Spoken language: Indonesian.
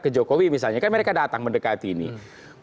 ke jokowi misalnya kan mereka datang mendekati ini kan